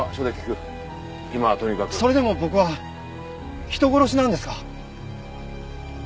それでも僕は人殺しなんですか！？